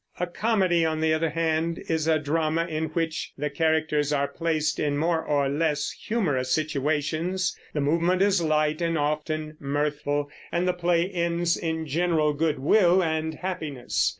A comedy, on the other hand, is a drama in which the characters are placed in more or less humorous situations. The movement is light and often mirthful, and the play ends in general good will and happiness.